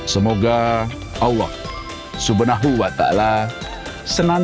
semoga allah swt senantiasa membantu